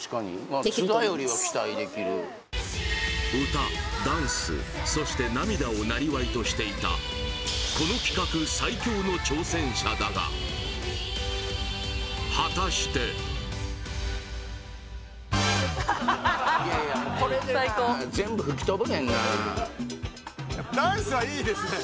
歌ダンスそして涙を生業としていたこの企画最強の挑戦者だが果たしてこれでな全部吹き飛ぶねんな最高ダンスはいいですね